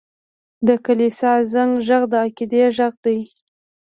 د کلیسا زنګ ږغ د عقیدې غږ دی.